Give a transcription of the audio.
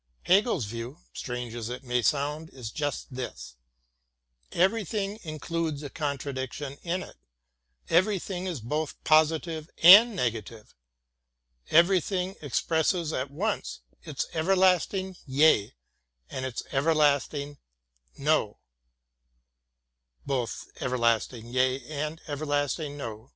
Hegel's view, strange as it may sound, is just this : everything includes a con tradiction in it, everything is both positive and negative, everything expresses at once its Everlasting Yea and its Everlasting No.